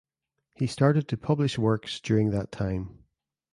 He started to publish works during that time.